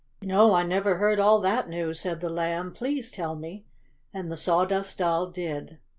"No, I never heard all that news," said the Lamb. "Please tell me," and the Sawdust Doll did.